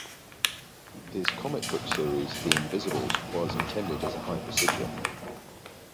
His comic book series "The Invisibles" was intended as a hypersigil.